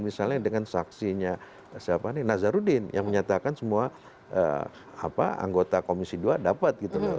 misalnya dengan saksinya siapa nih nazarudin yang menyatakan semua anggota komisi dua dapat gitu loh